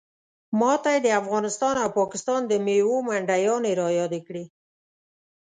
ماته یې د افغانستان او پاکستان د میوو منډیانې رایادې کړې.